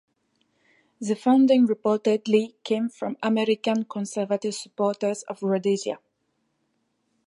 The funding reportedly came from American conservative supporters of Rhodesia.